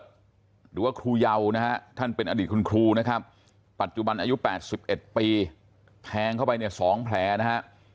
หรือว่าครูเยานะฮะท่านเป็นอดีตคุณครูนะครับปัจจุบันอายุ๘๑ปีแทงเข้าไปเนี่ย๒แผลนะฮะ